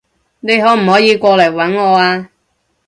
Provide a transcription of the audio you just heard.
你可唔可以過嚟搵我啊？